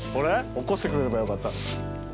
起こしてくれればよかったのに。